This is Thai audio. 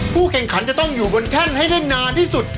ผู้แข่งขันจะต้องอยู่บนแครนให้นานที่สุด